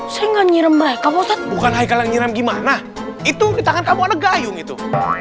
saya nyiram mereka bukan ayo kita nyiram gimana itu ditangan kamu ada gayung itu